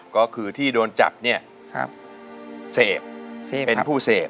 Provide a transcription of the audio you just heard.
ก็คือที่โดนจับเนี่ยเสพเป็นผู้เสพ